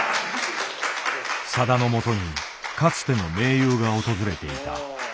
さだのもとにかつての盟友が訪れていた。